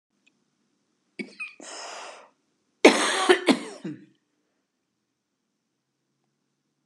Geart hat in protte freonen.